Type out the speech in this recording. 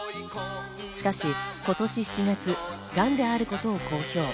しかし今年７月、がんであることを公表。